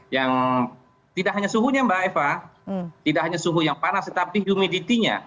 yang tidak hanya suhunya mbak eva tidak hanya suhu yang panas tetapi humidity nya